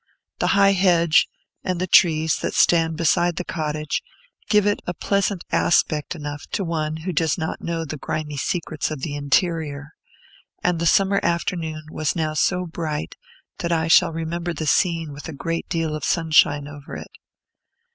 The high hedge, and the trees that stand beside the cottage, give it a pleasant aspect enough to one who does not know the grimy secrets of the interior; and the summer afternoon was now so bright that I shall remember the scene with a great deal of sunshine over it.